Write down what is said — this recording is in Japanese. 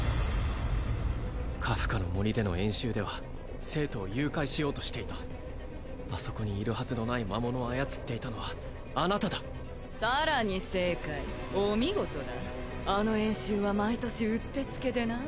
カフカの森での演習では生徒を誘拐しようとしていたあそこにいるはずのない魔物を操っていたのはあなたださらに正解お見事だあの演習は毎年うってつけでなあ